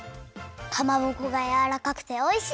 かまぼこがやわらかくておいしい！